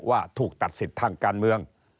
ว่าถูกตัดสิทธิ์ทางการเมือง